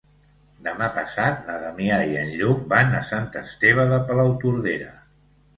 Demà passat na Damià i en Lluc van a Sant Esteve de Palautordera.